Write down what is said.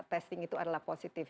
testing itu adalah positif